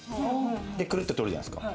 くるっと取るじゃないですか。